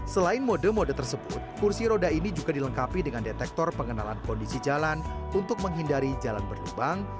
selain mode mode tersebut kursi roda ini juga dilengkapi dengan detektor pengenalan kondisi jalan untuk menghindari jalan berlubang